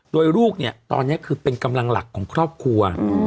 โดยลูกเนี่ยตอนนี้คือเป็นกำลังหลักของครอบครัว